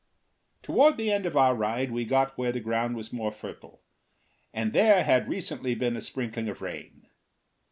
Toward the end of our ride we got where the ground was more fertile, and there had recently been a sprinkling of rain.